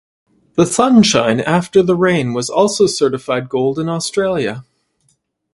"The Sunshine After the Rain" was also certified gold in Australia.